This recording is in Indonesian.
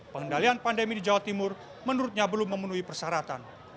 pengendalian pandemi di jawa timur menurutnya belum memenuhi persyaratan